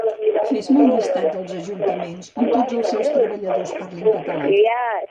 Fes-me un llistat dels Ajuntaments on tots els seus treballadors parlin català